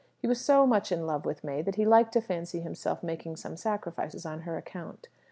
He was so much in love with May, that he liked to fancy himself making some sacrifices on her account.